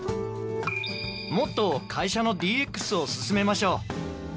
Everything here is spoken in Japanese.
もっと会社のＤＸを進めましょう。